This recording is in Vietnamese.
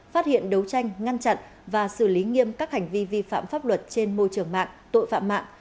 phát hiện đấu tranh ngăn chặn và xử lý nghiêm các hành vi vi phạm pháp luật trên môi trường mạng tội phạm mạng